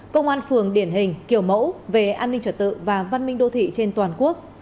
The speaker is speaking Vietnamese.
công an phường điển hình kiểu mẫu về an ninh trật tự và văn minh đô thị trên toàn quốc